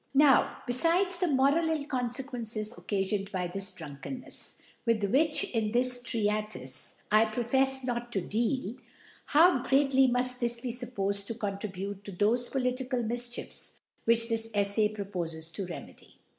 Now, befides the moral ill Confequcnccs occafioned by this Drunkennefs, with which, in this Treatife, I profefs not to deal •, how greatly muft this be fuppofed to contribute, to thofe political Mifchiefs which this Eflay propofcs to remedy